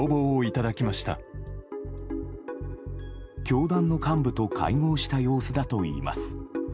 教団の幹部と会合した様子だといいます。